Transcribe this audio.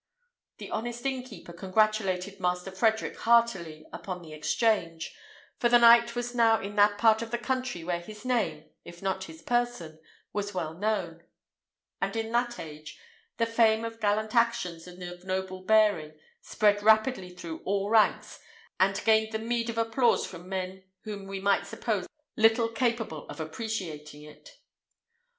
The honest innkeeper congratulated Master Frederick heartily upon the exchange; for the knight was now in that part of the country where his name, if not his person, was well known; and in that age, the fame of gallant actions and of noble bearing spread rapidly through all ranks, and gained the meed of applause from men whom we might suppose little capable of appreciating it.